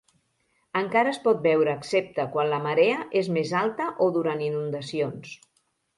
Encara es pot veure excepte quan la marea és més alta o durant inundacions.